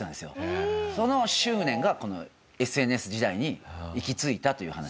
その執念がこのＳＮＳ時代に行き着いたという話。